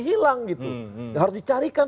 hilang gitu harus dicarikan